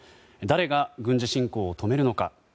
誰が軍事侵攻を止めるのか。